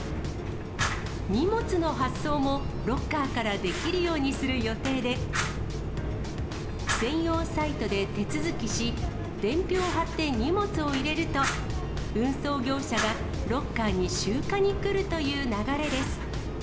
荷物の発送もロッカーからできるようにする予定で、専用サイトで手続きし、伝票を貼って荷物を入れると、運送業者がロッカーに集荷に来るという流れです。